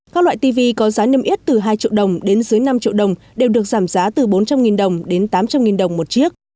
các loại tv có giá niêm yết từ hai triệu đồng đến dưới năm triệu đồng đều được giảm giá từ bốn trăm linh đồng đến tám trăm linh đồng một chiếc